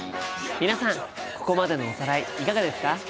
皆さんここまでのおさらいいかがですか？